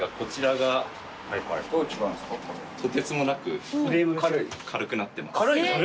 とてつもなく軽くなってます。